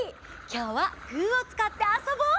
きょうはグーをつかってあそぼう！